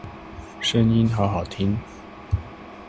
聲音好好聽